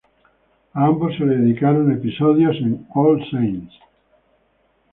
A ambos se les dedicaron episodios en All Saints.